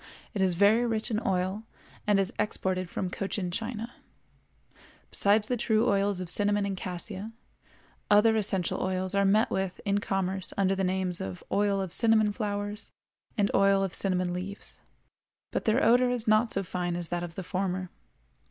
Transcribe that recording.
It is very rich in oil, and is exported from Cochin China. Besides the true oils of cinnamon and cassia, other essential oils are met with in commerce under the names of oil of cinnamon flowers and oil of cinnamon leaves, but their odor is not so fine as that of the former.